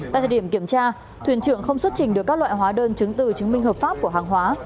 tại thời điểm kiểm tra thuyền trưởng không xuất trình được các loại hóa đơn chứng từ chứng minh hợp pháp của hàng hóa